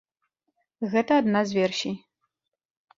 Гэта адна з версій.